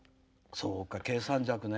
そうか、計算尺ね。